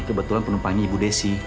kebetulan penumpangnya ibu desi